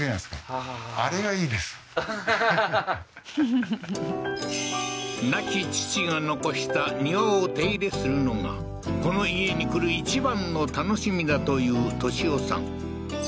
ふふっ亡き父が遺した庭を手入れするのがこの家に来る一番の楽しみだという敏夫さん